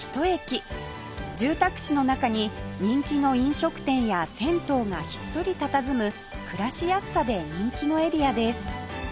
住宅地の中に人気の飲食店や銭湯がひっそりたたずむ暮らしやすさで人気のエリアです